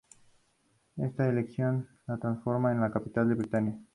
Esta elección lo transforma en el Capitán Britania.